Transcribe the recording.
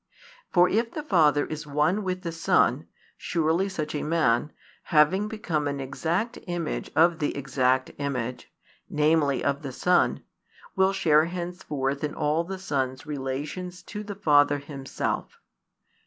For if the Father is one with the Son, surely such a man, having become an exact image of the Exact Image, namely of the Son, will share henceforth in all the Son's relations to the Father Himself.